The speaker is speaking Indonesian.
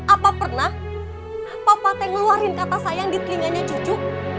apa pernah papa teh ngeluarin kata sayang di telinganya cucu